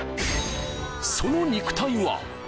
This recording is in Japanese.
その肉体は。